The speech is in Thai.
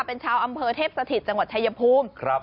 เป็นชาวอำเภอเทพสถิตจังหวัดชายภูมิ